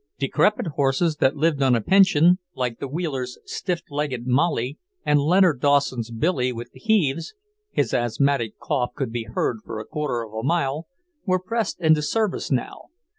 Decrepit horses that lived on a pension, like the Wheelers' stiff legged Molly and Leonard Dawson's Billy with the heaves his asthmatic cough could be heard for a quarter of a mile were pressed into service now.